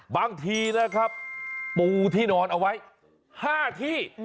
บางทีนะครับปูที่นอนเอาไว้๕ที่